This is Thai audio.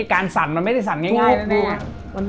การสั่นมันไม่ได้สั่นง่าย